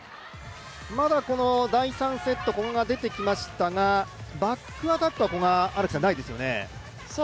まだ第３セット、古賀が出てきましたが、バックアタックは古賀はないですよね。